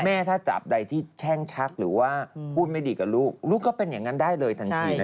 แม่ถ้าจับใดที่แช่งชักหรือว่าพูดไม่ดีกับลูกลูกก็เป็นอย่างนั้นได้เลยทันทีนะ